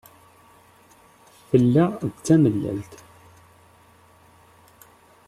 Tella d tamellalt.